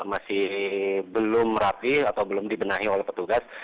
masih belum rapi atau belum dibenahi oleh petugas